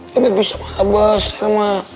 bebek bisa marah besar mak